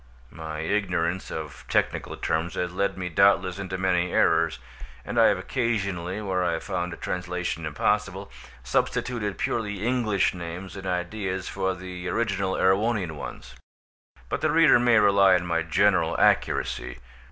My ignorance of technical terms has led me doubtless into many errors, and I have occasionally, where I found translation impossible, substituted purely English names and ideas for the original Erewhonian ones, but the reader may rely on my general accuracy.